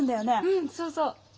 ・うんそうそう。